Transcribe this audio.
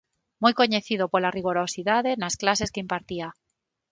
Moi coñecido pola rigorosidade nas clases que impartía.